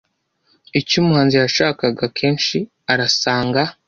Icyo umuhanzi yashakaga. Akenshi arasanga